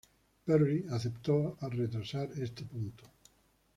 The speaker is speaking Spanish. Perry aceptó retrasar este punto.